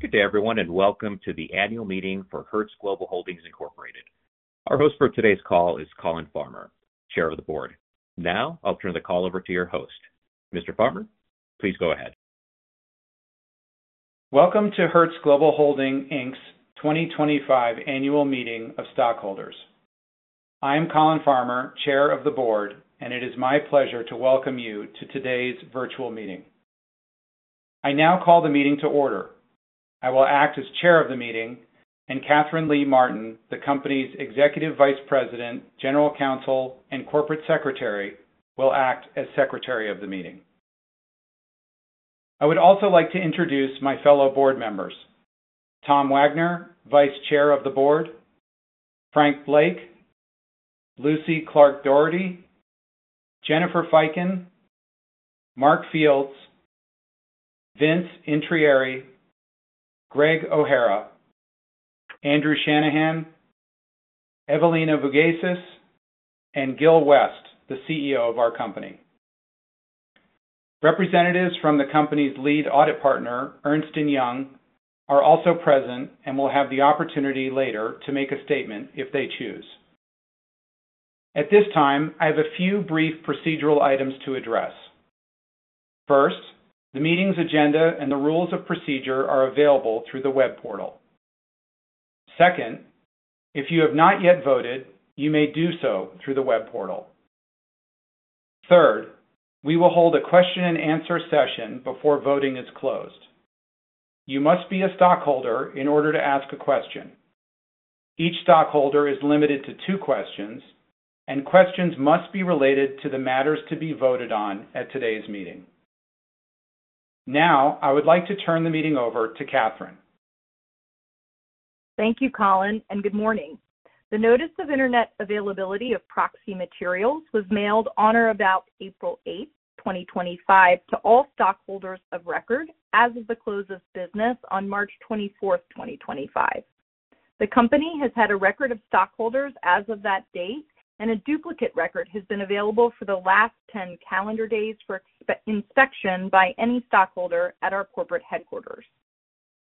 Good day, everyone, and welcome to the annual meeting for Hertz Global Holdings Incorporated. Our host for today's call is Colin Farmer, Chair of the Board. Now I'll turn the call over to your host. Mr. Farmer, please go ahead. Welcome to Hertz Global Holdings' 2025 annual meeting of stockholders. I am Colin Farmer, Chair of the Board, and it is my pleasure to welcome you to today's virtual meeting. I now call the meeting to order. I will act as Chair of the Meeting, and Katherine Lee Martin, the company's Executive Vice President, General Counsel, and Corporate Secretary, will act as Secretary of the Meeting. I would also like to introduce my fellow board members: Thomas Wagner, Vice Chair of the Board; Frank Blake; Lucy Clark-Doherty; Jennifer Feiken; Mark Fields; Vincent Intramuri; Greg O'Hara; Andrew Shanahan; Evelina Vugasis; and Gil West, the CEO of our company. Representatives from the company's lead audit partner, Ernst & Young, are also present and will have the opportunity later to make a statement if they choose. At this time, I have a few brief procedural items to address. First, the meeting's agenda and the rules of procedure are available through the web portal. Second, if you have not yet voted, you may do so through the web portal. Third, we will hold a question-and-answer session before voting is closed. You must be a stockholder in order to ask a question. Each stockholder is limited to two questions, and questions must be related to the matters to be voted on at today's meeting. Now I would like to turn the meeting over to Katherine. Thank you, Colin, and good morning. The Notice of Internet Availability of Proxy Materials was mailed on or about April 8th, 2025, to all stockholders of record as of the close of business on March 24th, 2025. The company has had a record of stockholders as of that date, and a duplicate record has been available for the last 10 calendar days for inspection by any stockholder at our corporate headquarters.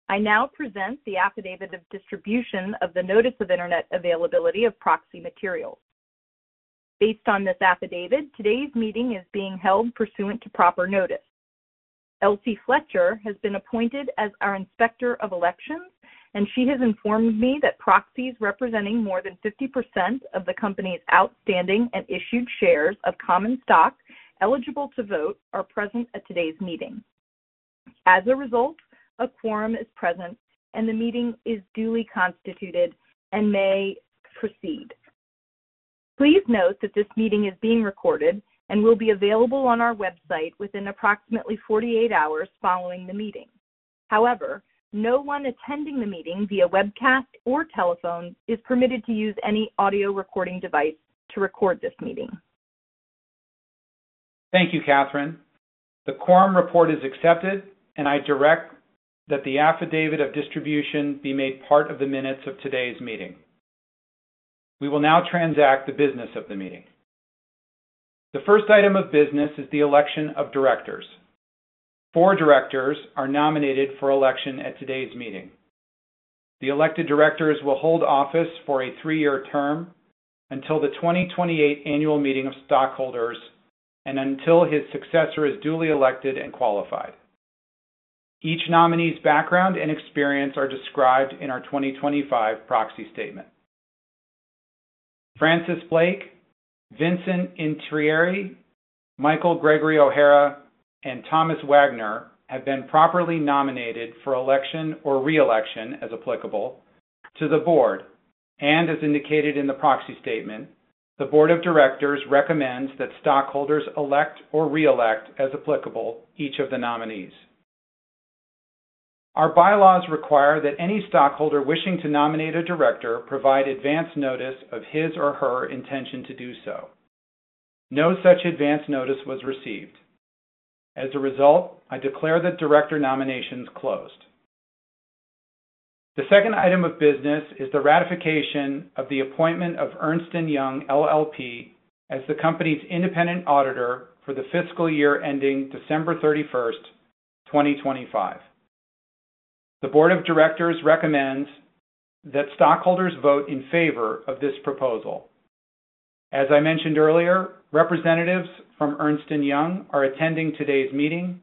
I now present the Affidavit of Distribution of the Notice of Internet Availability of Proxy Materials. Based on this affidavit, today's meeting is being held pursuant to proper notice. Elsie Fletcher has been appointed as our Inspector of Elections, and she has informed me that proxies representing more than 50% of the company's outstanding and issued shares of common stock eligible to vote are present at today's meeting. As a result, a quorum is present, and the meeting is duly constituted and may proceed. Please note that this meeting is being recorded and will be available on our website within approximately 48 hours following the meeting. However, no one attending the meeting via webcast or telephone is permitted to use any audio recording device to record this meeting. Thank you, Katherine. The quorum report is accepted, and I direct that the Affidavit of Distribution be made part of the minutes of today's meeting. We will now transact the business of the meeting. The first item of business is the election of directors. Four directors are nominated for election at today's meeting. The elected directors will hold office for a three-year term until the 2028 annual meeting of stockholders and until his successor is duly elected and qualified. Each nominee's background and experience are described in our 2025 proxy statement. Francis Blake, Vincent Intramuri, Michael Gregory O'Hara, and Thomas Wagner have been properly nominated for election or reelection as applicable to the board, and as indicated in the proxy statement, the board of directors recommends that stockholders elect or reelect as applicable each of the nominees. Our bylaws require that any stockholder wishing to nominate a director provide advance notice of his or her intention to do so. No such advance notice was received. As a result, I declare that director nominations closed. The second item of business is the ratification of the appointment of Ernst & Young LLP as the company's independent auditor for the fiscal year ending December 31st, 2025. The board of directors recommends that stockholders vote in favor of this proposal. As I mentioned earlier, representatives from Ernst & Young are attending today's meeting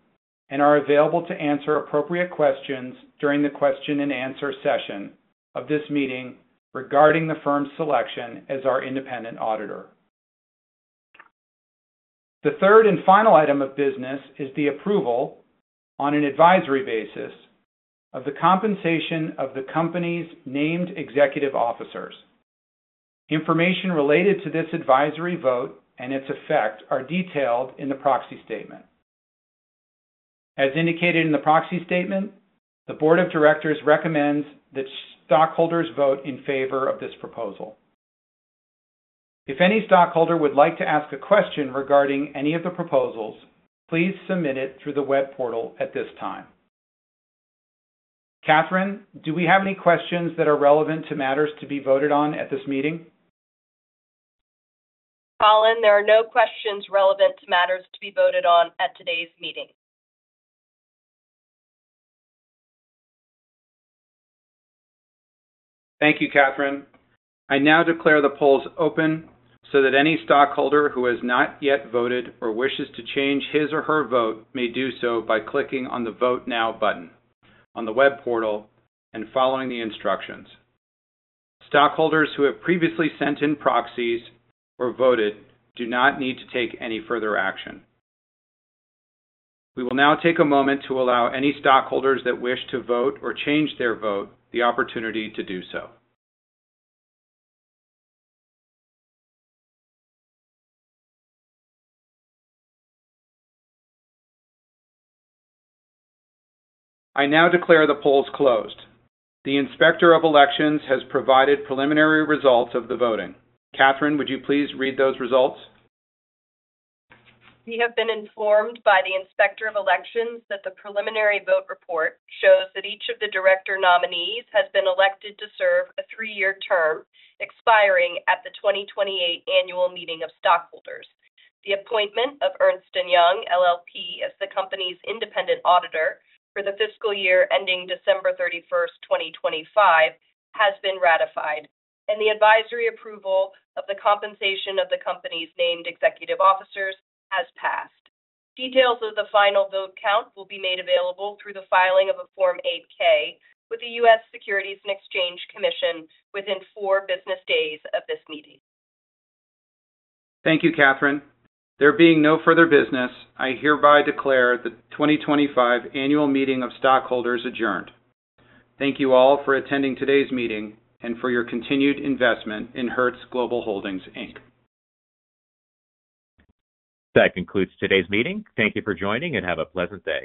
and are available to answer appropriate questions during the question-and-answer session of this meeting regarding the firm's selection as our independent auditor. The third and final item of business is the approval on an advisory basis of the compensation of the company's named executive officers. Information related to this advisory vote and its effect are detailed in the proxy statement. As indicated in the proxy statement, the board of directors recommends that stockholders vote in favor of this proposal. If any stockholder would like to ask a question regarding any of the proposals, please submit it through the web portal at this time. Katherine, do we have any questions that are relevant to matters to be voted on at this meeting? Colin, there are no questions relevant to matters to be voted on at today's meeting. Thank you, Katherine. I now declare the polls open so that any stockholder who has not yet voted or wishes to change his or her vote may do so by clicking on the vote now button on the web portal and following the instructions. Stockholders who have previously sent in proxies or voted do not need to take any further action. We will now take a moment to allow any stockholders that wish to vote or change their vote the opportunity to do so. I now declare the polls closed. The Inspector of Elections has provided preliminary results of the voting. Katherine, would you please read those results? We have been informed by the Inspector of Elections that the preliminary vote report shows that each of the director nominees has been elected to serve a three-year term expiring at the 2028 annual meeting of stockholders. The appointment of Ernst & Young LLP as the company's independent auditor for the fiscal year ending December 31st, 2025, has been ratified, and the advisory approval of the compensation of the company's named executive officers has passed. Details of the final vote count will be made available through the filing of a Form 8-K with the U.S. Securities and Exchange Commission within four business days of this meeting. Thank you, Katherine. There being no further business, I hereby declare the 2025 annual meeting of stockholders adjourned. Thank you all for attending today's meeting and for your continued investment in Hertz Global Holdings Inc.. That concludes today's meeting. Thank you for joining, and have a pleasant day.